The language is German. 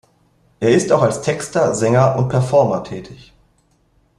Er ist auch als Texter, Sänger und Performer tätig.